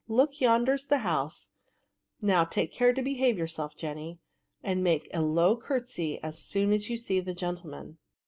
Look, yonder's the house ; now take care to behave yourself, Jenny, and make a low curtesy as so<m as you see the gentleman."